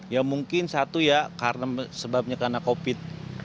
ya mungkin satu ya karena sebabnya karena covid